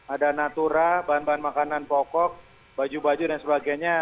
ada natura bahan bahan makanan pokok baju baju dan sebagainya